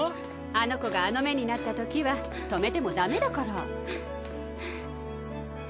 あの子があの目になったときは止めてもだめだから。